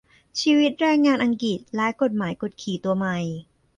ชีวิตแรงงานอังกฤษ และกฎหมายกดขี่ตัวใหม่